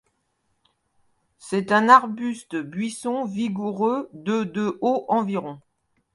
C’est un arbuste buisson vigoureux de de haut environ.